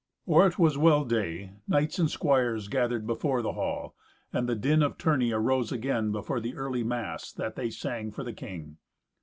Or it was well day, knights and squires gathered before the hall, and the din of tourney arose again before the early mass that they sang for the king.